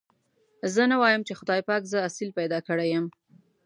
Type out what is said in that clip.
زه نه وايم چې خدای پاک زه اصيل پيدا کړي يم.